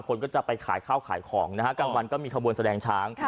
คนก็จะไปขายข้าวขายของนะฮะกลางวันก็มีขบวนแสดงช้าง